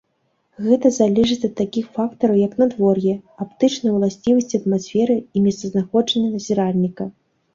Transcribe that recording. Гэта залежыць ад такіх фактараў як надвор'е, аптычныя ўласцівасці атмасферы і месцазнаходжанне назіральніка.